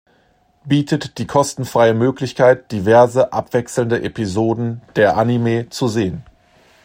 Bietet die kostenfreie Möglichkeit diverse abwechselnde Episoden der Anime zu sehen.